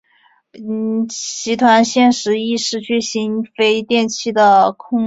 集团现时亦失去新飞电器的控股权。